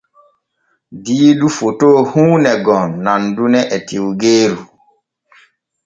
Diidu foto huune gon nandune e tiwgeeru.